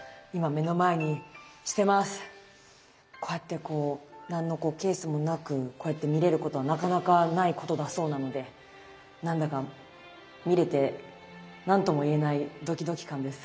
こうやってこう何のケースもなくこうやって見れることはなかなかないことだそうなのでなんだか見れて何とも言えないドキドキ感です。